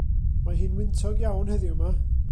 Mae hi'n wyntog iawn heddiw 'ma.